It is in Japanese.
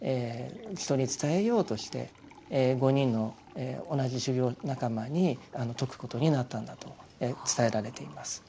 人に伝えようとして５人の同じ修行仲間に説くことになったんだと伝えられています。